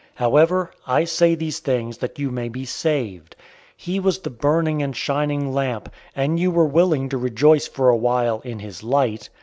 However, I say these things that you may be saved. 005:035 He was the burning and shining lamp, and you were willing to rejoice for a while in his light.